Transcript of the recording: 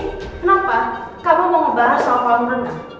kenapa kamu mau ngebahas soal kolam renang